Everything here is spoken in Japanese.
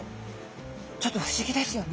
ちょっと不思議ですよね。